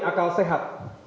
akal sehat dan kewajiban